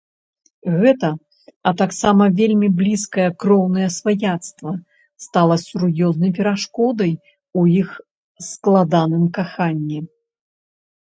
Гэта, а таксама вельмі блізкае кроўнае сваяцтва стала сур'ёзнай перашкодай у іх складаным каханні.